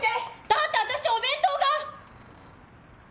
だって私お弁当が。